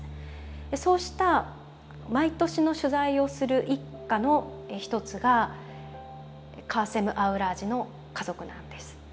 そうした毎年の取材をする一家の一つがカーセム・アウラージの家族なんです。